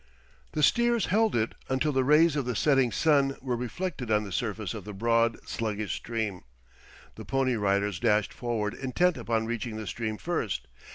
The steers held it until the rays of the setting sun were reflected on the surface of the broad sluggish stream. The Pony Riders dashed forward intent upon reaching the stream first.